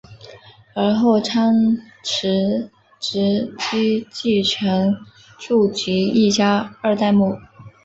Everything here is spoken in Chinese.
而后仓持直吉继承住吉一家二代目。